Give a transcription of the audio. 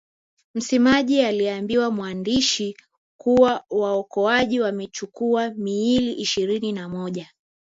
Msemaji aliwaambia waandishi kuwa waokoaji wamechukua miili ishirini na moja